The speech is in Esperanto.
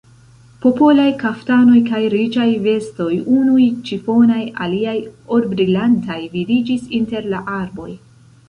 Popolaj kaftanoj kaj riĉaj vestoj, unuj ĉifonaj, aliaj orbrilantaj vidiĝis inter la arboj.